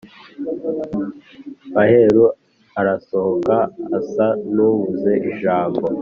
Maheru arasohoka Asa n’ubuze ijambo.